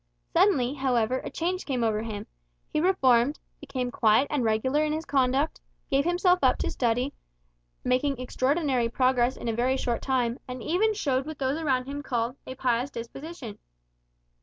Suddenly, however, a change came over him. He reformed, became quiet and regular in his conduct; gave himself up to study, making extraordinary progress in a very short time; and even showed what those around him called "a pious disposition."